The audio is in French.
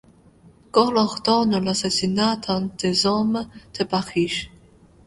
Cole ordonne l'assassinat d'un des hommes de Parrish.